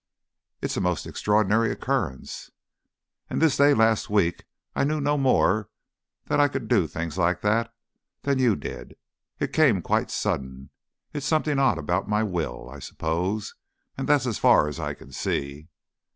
"It's a most extraordinary occurrence." "And this day last week I knew no more that I could do things like that than you did. It came quite sudden. It's something odd about my will, I suppose, and that's as far as I can see."